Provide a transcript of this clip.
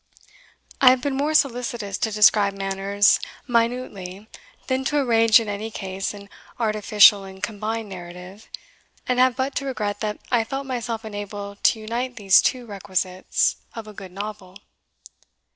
I have been more solicitous to describe manners minutely than to arrange in any case an artificial and combined narrative, and have but to regret that I felt myself unable to unite these two requisites of a good Novel.